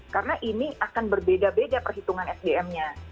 karena ini akan berbeda beda perhitungan sdm nya